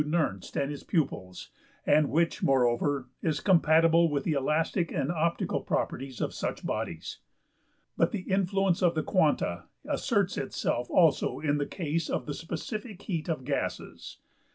~Nernst and his pupils, and which, moreover, is compatible with the elastic and optical properties of such bodies. But the influence of the quanta asserts itself also in the case of the specific heat of gases.